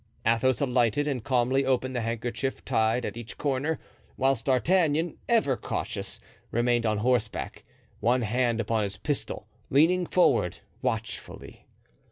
Athos alighted and calmly opened the handkerchief tied at each corner, whilst D'Artagnan, ever cautious, remained on horseback, one hand upon his pistol, leaning forward watchfully.